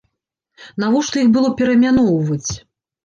Навошта іх было пераймяноўваць?!